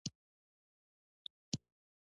ګرمسیرکې پښتانه، هزاره ګان او بلوچان ژوند کوي.